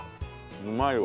うまいわ。